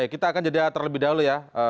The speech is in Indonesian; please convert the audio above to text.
baik kita akan jadi terlebih dahulu ya